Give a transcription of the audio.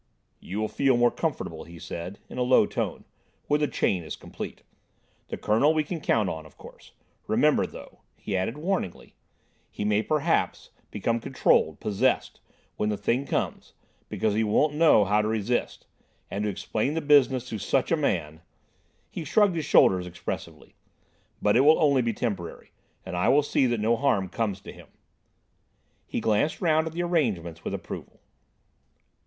"You will feel more comfortable," he said, in a low tone, "when the chain is complete. The Colonel we can count on, of course. Remember, though," he added warningly, "he may perhaps become controlled—possessed—when the thing comes, because he won't know how to resist. And to explain the business to such a man—!" He shrugged his shoulders expressively. "But it will only be temporary, and I will see that no harm comes to him." He glanced round at the arrangements with approval.